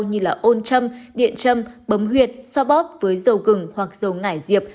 như ôn châm điện châm bấm huyệt so bóp với dầu gừng hoặc dầu ngải diệp